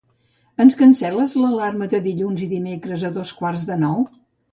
Ens cancel·les l'alarma de dilluns i dimecres a dos quarts de nou?